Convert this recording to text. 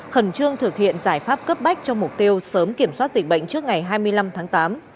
khẩn trương thực hiện giải pháp cấp bách cho mục tiêu sớm kiểm soát dịch bệnh trước ngày hai mươi năm tháng tám